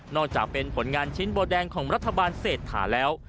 จากเป็นผลงานชิ้นโบแดงของรัฐบาลเศรษฐาแล้ว